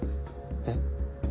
えっ？